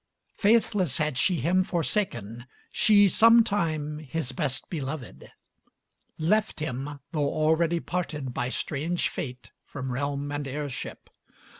Faithless had she him forsaken, she sometime his best beloved, Left him, though already parted by strange fate, from realm and heirship.